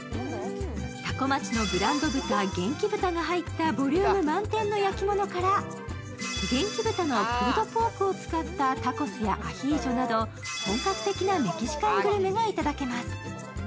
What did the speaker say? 多古町のブランド豚、元気豚が入ったボリューム満点の焼き物から元気豚のプルドポークを使ったタコスやアヒージョなど本格的なメキシカングルメがいただけます。